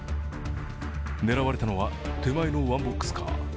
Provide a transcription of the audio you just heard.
狙われたのは手前のワンボックスカー。